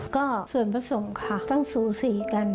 ก็ส่วนประสงค์ค่ะตั้งสูสีกัน